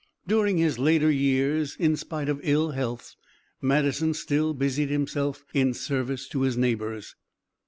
During his later years, in spite of his ill health, Madison still busied himself in service to his neighbors.